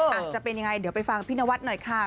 อาจจะเป็นยังไงเดี๋ยวไปฟังพี่นวัดหน่อยค่ะ